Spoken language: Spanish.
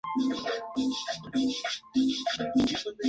Es un sistema usado para realizar campañas masivas.